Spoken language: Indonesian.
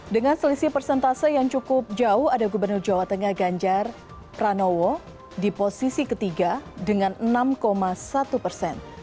dengan selisih persentase yang cukup jauh ada gubernur jawa tengah ganjar pranowo di posisi ketiga dengan enam satu persen